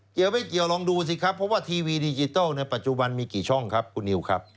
เกี่ยวไม่เกี่ยวลองดูสิครับเพราะว่าทีวีดิจิทัลในปัจจุบันมีกี่ช่องครับคุณนิวครับ